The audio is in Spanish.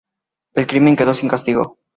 El crimen quedó sin castigo.